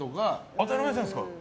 当たり前じゃないですか。